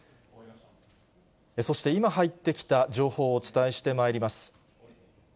そして今入ってきた情報をお伝えしてまいります。